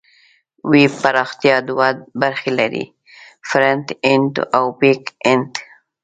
ویب پراختیا دوه برخې لري: فرنټ اینډ او بیک اینډ.